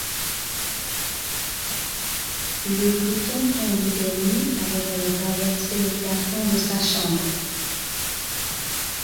Le glouton tombe des nues après avoir traversé le plafond de sa chambre.